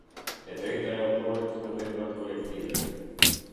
E drejta e autorit në veprat kolektive.